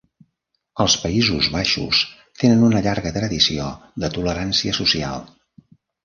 Els Països Baixos tenen una llarga tradició de tolerància social.